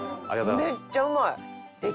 めっちゃうまい。